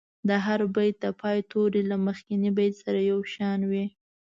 د هر بیت د پای توري له مخکني بیت سره یو شان وي.